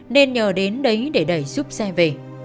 nên nhờ đến đấy để đẩy xúp xe về